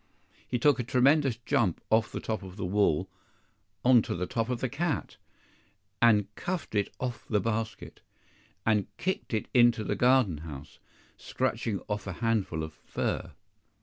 He took a tremendous jump off the top of the wall on to the top of the cat, and cuffed it off the basket, and kicked it into the garden house, scratching off a handful of fur.